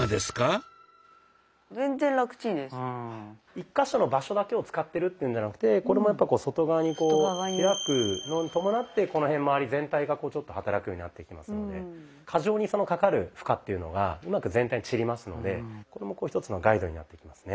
１か所の場所だけを使ってるっていうんじゃなくてこれもやっぱ外側にこう開くのに伴ってこの辺まわり全体がちょっと働くようになってきますので過剰にかかる負荷っていうのがうまく全体に散りますのでこれも１つのガイドになっていきますね。